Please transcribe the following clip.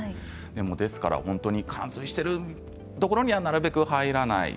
ですから冠水しているところにはなるべく入らない。